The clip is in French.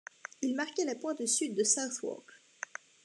Il marquait la pointe sud de Southwark.